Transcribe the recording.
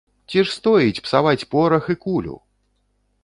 Ці ж стоіць псаваць порах і кулю!?.